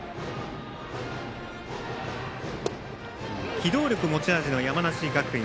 機動力、持ち味の山梨学院。